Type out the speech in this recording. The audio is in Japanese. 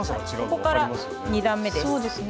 ここから２段目です。